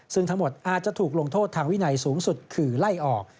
ซึ่งทั้งหมดอาจจะถูกลงโทษทางวินัยสูงสุดคือไล่ออก